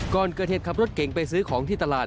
ก่อนเกิดเหตุขับรถเก่งไปซื้อของที่ตลาด